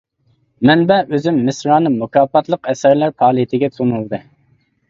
مەنبە: ئۆزۈم مىسرانىم مۇكاپاتلىق ئەسەرلەر پائالىيىتىگە سۇنۇلدى.